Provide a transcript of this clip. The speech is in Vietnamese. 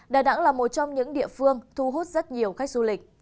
đà nẵng là một trong những địa phương thu hút rất nhiều khách du lịch